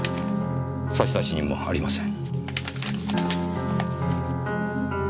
差出人もありません。